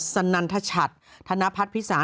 สนันทชัดธนพัฒน์พิสาร